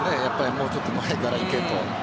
もうちょっと前から行けと。